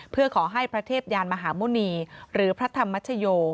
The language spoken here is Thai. เพื่อขอให้พระเทพยานมหาหมุณีหรือพระธรรมชโย